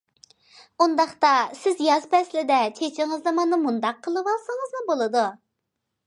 ئۇنداقتا سىز ياز پەسلىدە چېچىڭىزنى مانا مۇنداق قىلىۋالسىڭىزمۇ بولىدۇ.